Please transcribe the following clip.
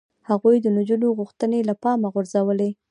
هغوی د نجونو غوښتنې له پامه غورځولې.